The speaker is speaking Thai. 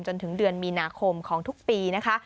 จนถึงเดือนมีนาคมของทุกปีนะคะ